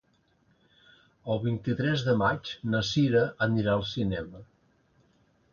El vint-i-tres de maig na Cira anirà al cinema.